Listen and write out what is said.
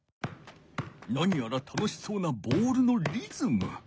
なにやら楽しそうなボールのリズム。